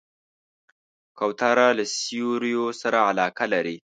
کوتره له سیوریو سره علاقه لري.